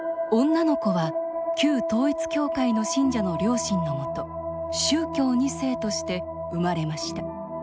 女の子は旧統一教会の信者の両親のもと宗教２世として生まれました。